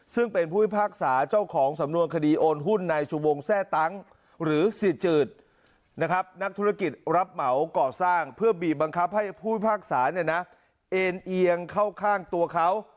บังคับให้ผู้พิพากษาเนี่ยนะเอ็นเอียงเข้าข้างตัวเขา